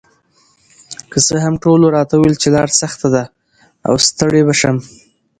که څه هم ټولو راته ویل چې لار سخته ده او ستړې به شم،